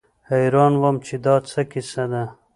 حيران وم چې دا څه کيسه ده.